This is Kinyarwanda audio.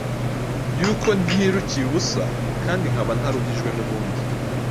yuko ntirukiye ubusa, kandi nkaba ntaruhijwe n’ubundi.